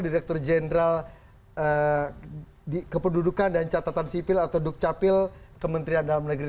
direktur jenderal kependudukan dan catatan sipil atau dukcapil kementerian dalam negeri